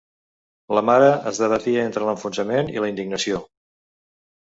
La mare es debatia entre l'enfonsament i la indignació.